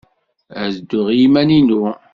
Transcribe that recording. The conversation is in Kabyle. Ad dduɣ i yiman-inu.